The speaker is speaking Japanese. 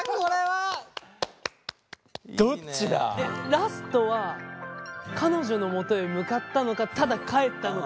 ラストは彼女のもとへ向かったのかただ帰ったのか。